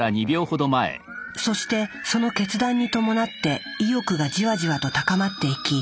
そしてその決断に伴って意欲がじわじわと高まっていき